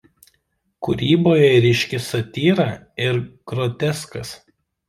Kūryboje ryški satyra ir groteskas.